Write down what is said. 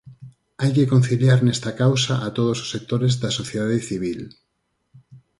Hai que conciliar nesta causa a todos os sectores da sociedade civil.